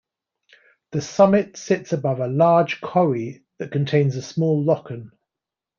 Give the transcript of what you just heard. The summit sits above a large corrie that contains a small lochan.